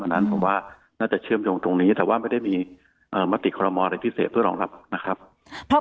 นั้นผมว่าน่าจะเชื่อมโยงตรงนี้แต่ว่าไม่ได้มีมติคอรมอลอะไรพิเศษเพื่อรองรับนะครับ